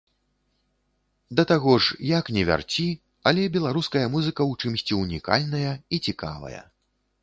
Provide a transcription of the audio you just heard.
Да таго ж, як не вярці, але беларуская музыка ў чымсьці ўнікальная і цікавая.